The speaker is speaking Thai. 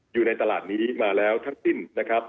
อยู่ในตลาดนี้มาแล้วทั้งสิ้นนะครับ